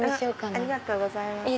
ありがとうございます。